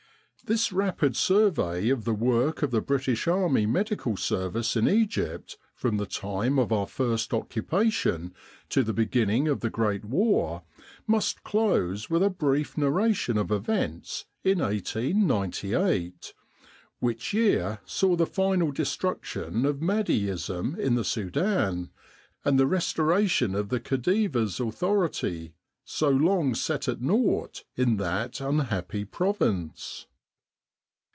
This rapid survey of the work of the British Army Medical Service in Egypt from the time of our first occupation to the beginning of the Great War must close with a brief narration of events in 1898, which year saw the final destruction of Mahdiism in the Sudan, and the restoration of the Khedive's authority so long set at naught in that unhappy province.